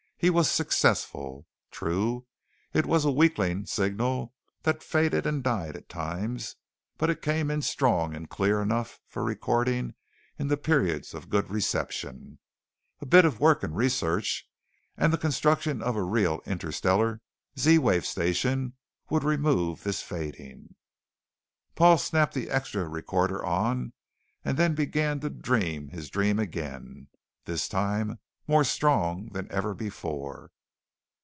His was success! True, it was a weakling signal that faded and died at times, but it came in strong and clear enough for recording in the periods of good reception. A bit of work and research, and the construction of a real interstellar Z wave station would remove this fading. Paul snapped the extra recorder on, and then began to dream his dream again, this time more strong than ever before.